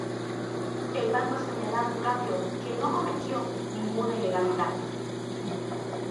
El banco ha señalado, en cambio, que no cometió ninguna ilegalidad.